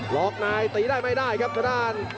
ลอกนายตีได้ไม่ได้ครับขนาด